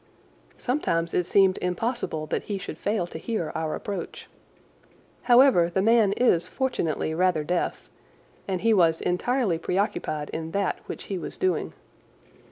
Sometimes it seemed impossible that he should fail to hear our approach. However, the man is fortunately rather deaf, and he was entirely preoccupied in that which he was doing.